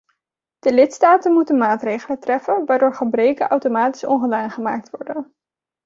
De lidstaten moeten maatregelen treffen waardoor gebreken automatisch ongedaan gemaakt worden.